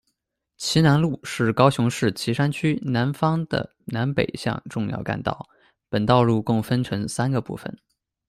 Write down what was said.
旗南路是高雄市旗山区南方的南北向重要干道，本道路共分成三个部份。